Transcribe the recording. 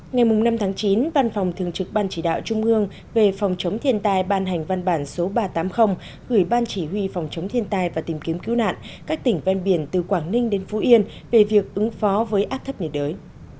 ngày năm tháng chín văn phòng thường trực ban chỉ đạo trung ương về phòng chống thiên tai ban hành văn bản số ba trăm tám mươi gửi ban chỉ huy phòng chống thiên tai và tìm kiếm cứu nạn các tỉnh ven biển từ quảng ninh đến phú yên về việc ứng phó với áp thấp nhiệt đới